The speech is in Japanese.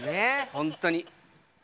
本当に。